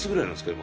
今。